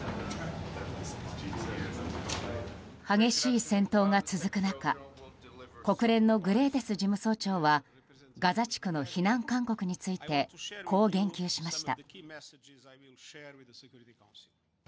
激しい衝突が続く中国連のグテーレス事務総長はガザ地区の避難勧告についてこう言及しました。